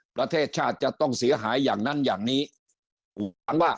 ประเทศชาติจะต้องเสียหายอย่างนั้นอย่างนี้ฝันว่า